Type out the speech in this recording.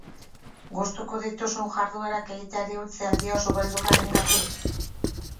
Gustuko dituzun jarduerak egiteari utzi al diozu beldurrarengatik?